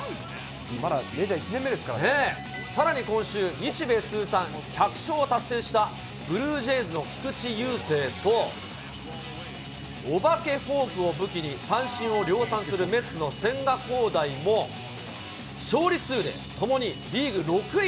まだメジャー１年目ですからさらに今週、日米通算１００勝を達成した、ブルージェイズの菊池雄星と、お化けフォークを武器に三振を量産するメッツの千賀滉大も、勝利数で、ともにリーグ６位